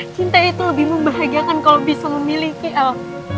cinta itu lebih membahagiakan kalau bisa memiliki alam